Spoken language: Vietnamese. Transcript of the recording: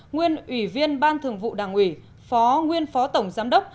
nguyên ủy viên ban thường vụ đảng ủy phó nguyên phó tổng giám đốc